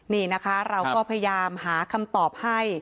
นี่นะคะเราก็พยายามหาคำตอบให้